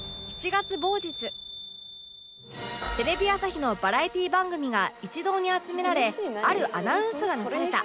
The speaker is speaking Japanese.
テレビ朝日のバラエティー番組が一堂に集められあるアナウンスがなされた